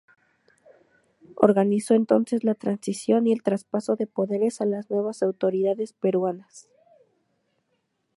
Organizó entonces la transición y el traspaso de poderes a las nuevas autoridades peruanas.